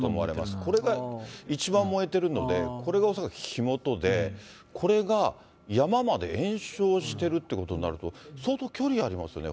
これが一番燃えているので、これが恐らく火元で、これが山まで延焼してるってことになると、相当距離ありますよね。